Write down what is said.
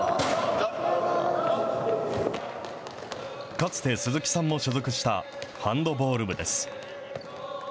かつて鈴木さんも所属したハンドボール部です。